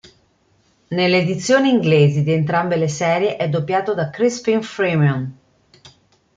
Nelle edizioni inglesi di entrambe le serie, è doppiato da Crispin Freeman.